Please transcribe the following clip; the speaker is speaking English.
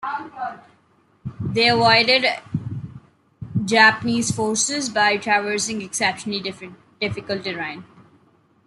They avoided Japanese forces by traversing exceptionally difficult terrain.